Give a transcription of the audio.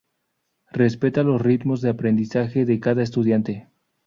Respeta los ritmos de aprendizaje de cada estudiante.